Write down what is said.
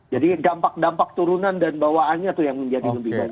jadi dampak dampak turunan dan bawaannya tuh yang menjadi lebih banyak